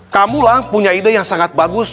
kamulah punya ide yang sangat bagus